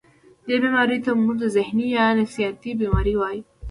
دې بيمارو ته مونږ ذهني يا نفسياتي بيمارۍ وايو